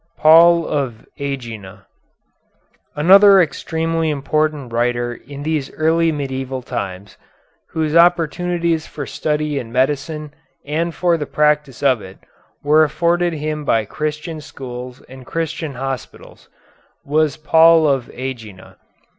PAUL OF ÆGINA Another extremely important writer in these early medieval times, whose opportunities for study in medicine and for the practice of it, were afforded him by Christian schools and Christian hospitals, was Paul of Ægina.